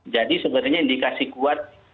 jadi sebenarnya indikasi kuat